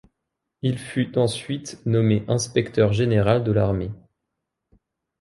Il fut ensuite nommé inspecteur général de l'armée.